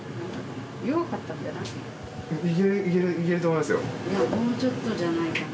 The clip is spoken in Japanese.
いやもうちょっとじゃないかな。